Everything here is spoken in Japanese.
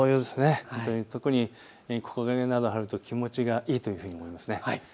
木陰などがあると気持ちがいいというふうに見られます。